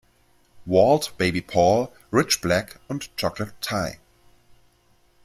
Walt, Baby Paul, Rich Blak und Chocolate Ty.